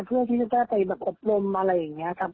เพื่อที่จะแก้ไปแบบอบรมอะไรอย่างนี้ครับ